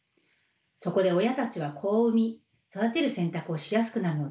そこで親たちは子を産み育てる選択をしやすくなるのです。